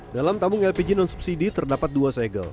dalam tabung lpg non subsidi terdapat dua segel